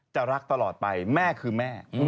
รักตลอดไปแม่คือแม่